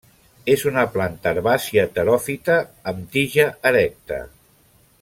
És una planta herbàcia teròfita amb tija erecta.